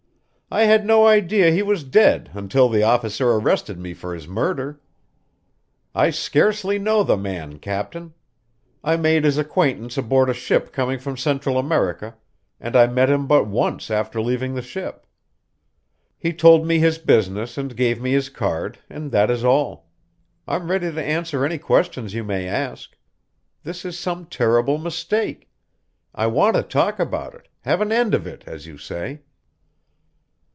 I had no idea he was dead until the officer arrested me for his murder. I scarcely know the man, captain. I made his acquaintance aboard a ship coming from Central America, and I met him but once after leaving the ship. He told me his business and gave me his card, and that is all. I'm ready to answer any questions you may ask. This is some terrible mistake. I want to talk about it have an end of it, as you say."